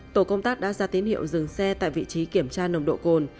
tổ công tác đã ra tín hiệu dừng xe tại vị trí kiểm tra nồng độ cồn